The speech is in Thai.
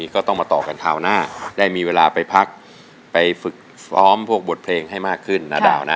กันคราวหน้าได้มีเวลาไปพักไปฝอมพวกบทเพลงให้มากขึ้นนะดาวนะ